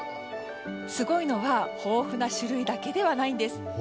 すごいのは豊富な種類だけではないんです。